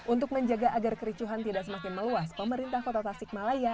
untuk menjaga agar kericuhan tidak semakin meluas pemerintah kota tasikmalaya